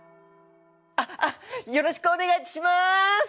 あっあっよろしくお願いします！